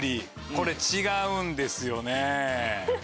これ違うんですよね。